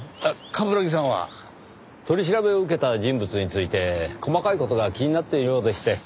取り調べを受けた人物について細かい事が気になっているようでして。